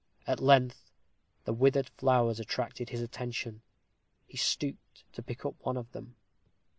At length the withered flowers attracted his attention. He stooped to pick up one of them.